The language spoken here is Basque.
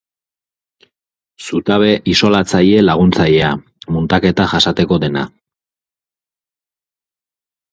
Zutabe isolatzaile laguntzailea, muntaketa jasateko dena.